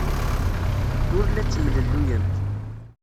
Ur la ttemlelluyent.